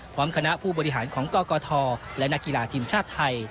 พร้อมคณะผู้บริหารของกกทและนักกีฬาทีมชาติไทย